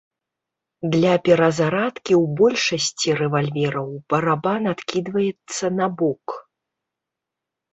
Для перазарадкі ў большасці рэвальвераў барабан адкідваецца набок.